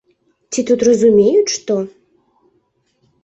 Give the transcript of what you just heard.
Ці тут разумеюць што?